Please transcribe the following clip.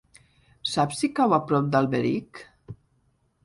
Saps si cau a prop d'Alberic?